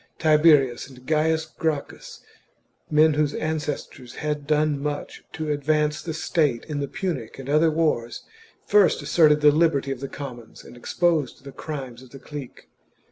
Tiberius and Gains Gracchus — men whose ancestors had done much to advance the state in the Punic and other wars — first asserted the liberty of the commons and exposed the crimes of the clique.